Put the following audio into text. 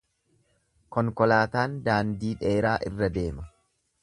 Konkolaataan daandii dheeraa irra deema.